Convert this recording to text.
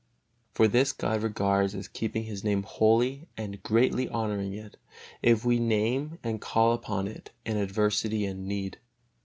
For this God regards as keeping His Name holy and greatly honoring it, if we name and call upon it in adversity and need.